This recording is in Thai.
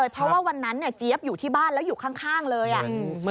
เพราะวันนั้นเจี๊ยบอยู่ที่บ้านแล้วอยู่ข้างเลย